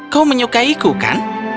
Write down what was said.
kau menyukaiku kan